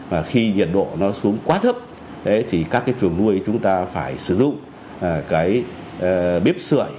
và khi nhiệt độ nó xuống quá thấp thì các cái chuồng nuôi chúng ta phải sử dụng cái bếp sợi